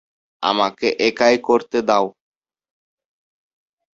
আমাকে একাই করতে দাও।